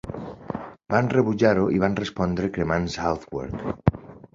Van rebutjar-ho i van respondre cremant Southwark.